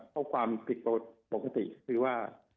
ข้อความผิดปกติคือว่า